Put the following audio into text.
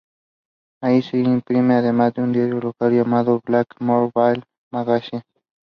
The dual system was successful in both parts of the divided Germany.